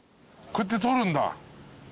こうやって撮るんだ。